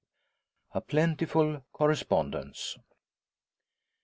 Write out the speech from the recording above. A PLENTIFUL CORRESPONDENCE.